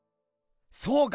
そうか！